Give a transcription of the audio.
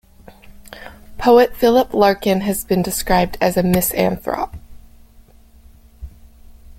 Poet Philip Larkin has been described as a misanthrope.